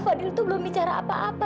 fadil itu belum bicara apa apa